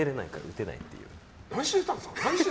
何してたんですか。